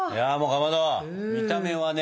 かまど見た目はね